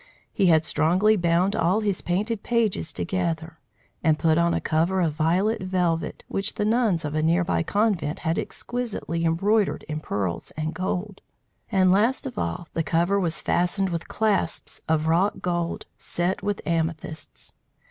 He had strongly bound all his painted pages together, and put on a cover of violet velvet, which the nuns of a near by convent had exquisitely embroidered in pearls and gold. And, last of all, the cover was fastened with clasps of wrought gold, set with amethysts.